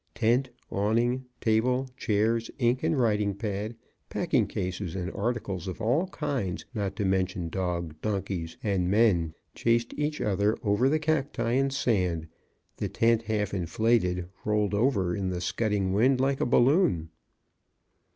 Tent, awning, table, chairs, ink and writing pad, packing cases, and articles of all kinds, not to mention dog, donkeys, and men chased each other over the cacti and sand; the tent half inflated, rolled over in the scudding wind like a balloon.